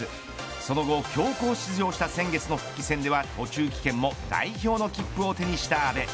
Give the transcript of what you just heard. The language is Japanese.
その後、強行出場した先月の復帰戦では途中棄権でも代表の切符を手にした阿部。